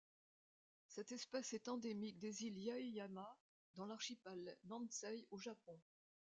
Cette espèce est endémique des îles Yaeyama dans l'archipel Nansei au Japon.